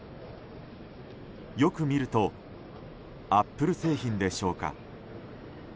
よく見るとアップル製品でしょうか。